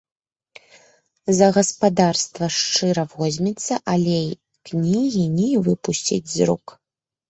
За гаспадарства шчыра возьмецца, але й кнігі не выпусціць з рук.